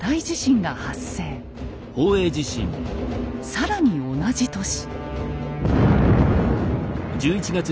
更に同じ年。